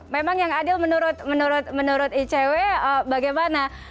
memang yang adil menurut icw bagaimana